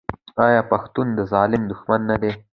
آیا پښتون د ظالم دښمن نه دی؟